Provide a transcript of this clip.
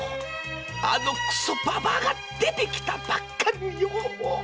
あのくそババアが出てきたばっかりによ！